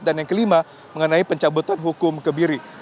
dan yang kelima mengenai pencabutan hukum kebiri